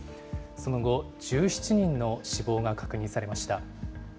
その後、１７人の死亡が確認されました。